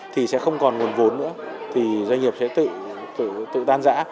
thì sẽ không còn nguồn vốn nữa thì doanh nghiệp sẽ tự tan giã